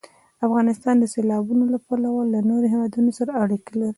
افغانستان د سیلابونو له پلوه له نورو هېوادونو سره اړیکې لري.